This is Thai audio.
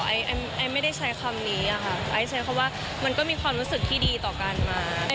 ไอ้ไม่ได้ใช้คำนี้อะค่ะไอซ์ใช้คำว่ามันก็มีความรู้สึกที่ดีต่อการมา